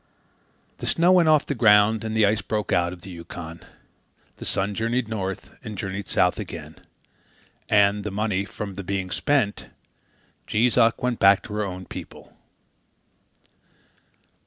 The snow went off the ground and the ice broke out of the Yukon. The sun journeyed north, and journeyed south again; and, the money from the being spent, Jees Uck went back to her own people.